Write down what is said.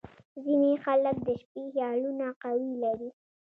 • ځینې خلک د شپې خیالونه قوي لري.